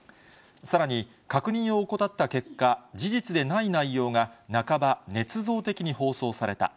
さらに確認を怠った結果、事実でない内容がなかばねつ造的に放送された。